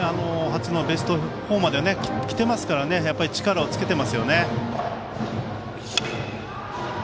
初のベスト４まできてますから力をつけてますよね。